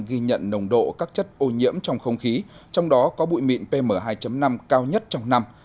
ghi nhận nồng độ các chất ô nhiễm trong không khí trong đó có bụi mịn pm hai năm cao nhất trong năm